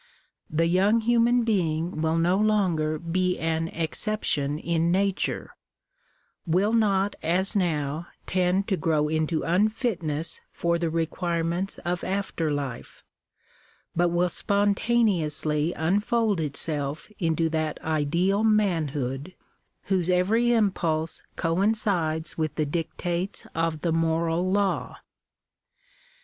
The young human being will no longer be an exception in nature — will not as now tend to grow into unfitness for the requirements of after life ; but will spontaneously unfold itself into that ideal manhood, whose every impulse coincides with the dictates of the moral law.